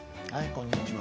こんにちは。